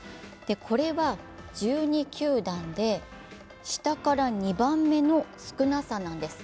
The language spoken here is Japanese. これは１２球団で下から２番目の少なさなんです。